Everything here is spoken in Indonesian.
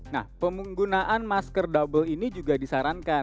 nah penggunaan masker double ini juga disarankan